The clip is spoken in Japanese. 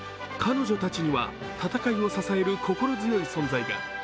彼女たちには戦いを支える心強い支えが。